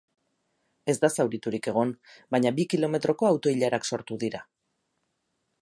Ez da zauriturik egon, baina bi kilometroko auto-ilarak sortu dira.